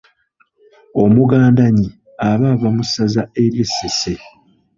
Omugandannyi aba ava mu ssaza ery'e Ssese.